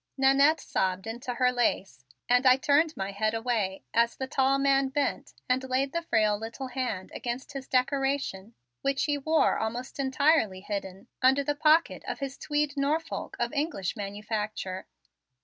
Nannette sobbed into her lace and I turned my head away as the tall man bent and laid the frail little hand against his decoration which he wore almost entirely hidden under the pocket of his tweed Norfolk of English manufacture.